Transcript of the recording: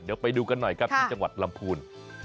เดี๋ยวไปดูกันหน่อยครับที่จังหวัดลำพูน